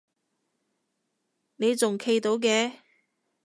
你仲企到嘅？